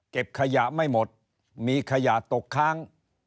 ขยะไม่หมดมีขยะตกค้าง